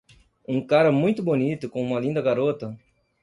um cara muito bonito com uma linda garota